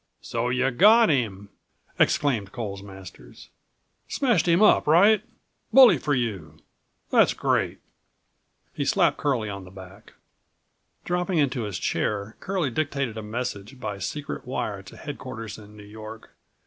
"So you got him!" exclaimed Coles Masters. "Smashed him up right? Bully for you. That's great!" He slapped Curlie on the back. Dropping into his chair, Curlie dictated a message by secret wire to headquarters in New York.